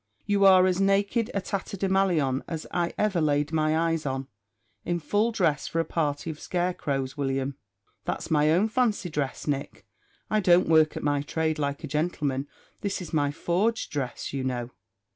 You are as naked a tatterdemalion as I ever laid my eyes on; in full dress for a party of scare crows, William." "That's my own fancy, Nick; I don't work at my trade like a gentleman. This is my forge dress, you know."